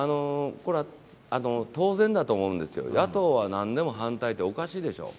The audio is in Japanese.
当然だと思うんですよ、野党はなんでも反対っておかしいでしょう。